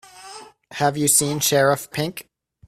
Have you seen Sheriff Pink?